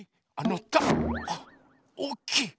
あっおっきい。